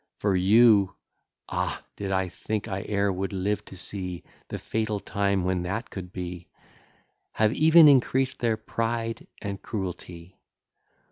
For you (ah! did I think I e'er should live to see The fatal time when that could be!) Have even increased their pride and cruelty.